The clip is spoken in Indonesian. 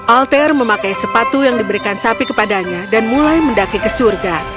alter memakai sepatu yang diberikan sapi kepadanya dan mulai mendaki ke surga